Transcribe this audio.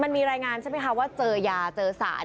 มันมีรายงานใช่ไหมคะว่าเจอยาเจอสาร